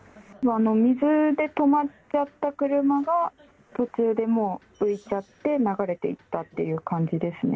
水で止まっちゃった車が途中でもう浮いちゃって、流れていったっていう感じですね。